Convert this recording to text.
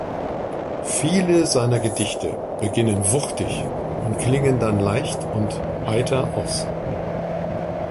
Viele seiner Gedichte beginnen wuchtig und klingen dann leicht und heiter aus.